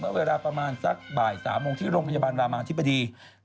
เวลาประมาณสักบ่าย๓โมงที่โรงพยาบาลรามาธิบดี